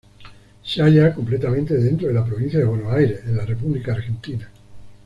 Se halla completamente dentro de la Provincia de Buenos Aires en la República Argentina.